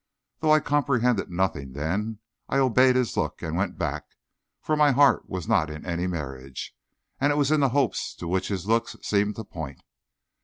Though I comprehended nothing then, I obeyed his look and went back, for my heart was not in any marriage, and it was in the hopes to which his looks seemed to point.